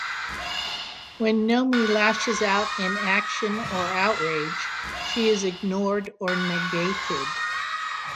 When Nomi lashes out in action or outrage, she is ignored or negated.